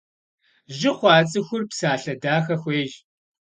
Жьы хъуа цӏыхур псалъэ дахэ хуейщ.